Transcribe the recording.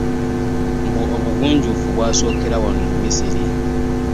Mbu obugunjufu bwasookera wano mu Misiri?